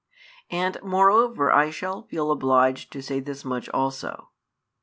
And moreover I shall feel obliged to say this much also.